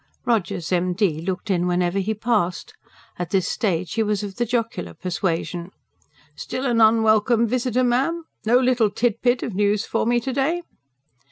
Rogers, M.D., looked in whenever he passed. At this stage he was of the jocular persuasion. "Still an unwelcome visitor, ma'am? No little tidbit of news for me to day?"